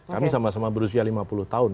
kami sama sama berusia lima puluh tahun